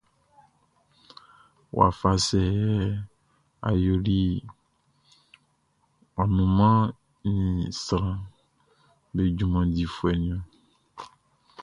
Wafa sɛ yɛ ɔ yoli annunman ni sranʼm be junman difuɛ mun?